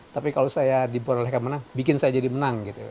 tapi kalau saya diperolehkan menang bikin saya jadi menang